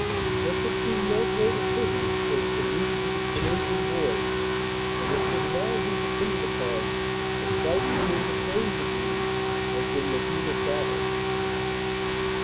There could be no greater privilege than to lead these Canadian boys, and they could now be depended upon precisely in the same degree as in the heat of battle.